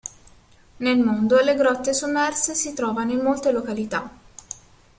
Nel mondo le grotte sommerse si trovano in molte località.